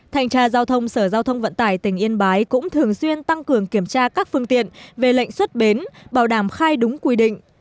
thành tra giao thông sở giao thông vận tải tỉnh yên bái cũng thường xuyên tăng cường kiểm tra các phương tiện về lệnh xuất bến bảo đảm khai đúng quy định